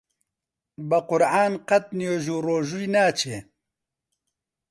بە قورعان قەت نوێژ و ڕۆژووی ناچێ!